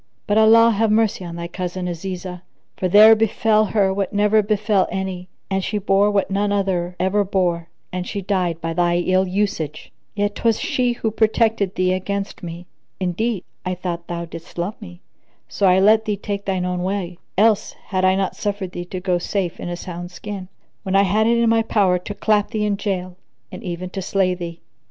But Allah have mercy on thy cousin Azizah, for there befel her what never befel any and she bore what none other ever bore and she died by thy ill usage; yet 'twas she who protected thee against me. Indeed, I thought thou didst love me, so I let thee take thine own way; else had I not suffered thee to go safe in a sound skin, when I had it in my power to clap thee in jail and even to slay thee."